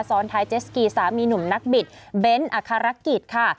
ซ้อนท้ายเจสกีสามีหนุ่มนักบิดเบ้นอัครกิจค่ะ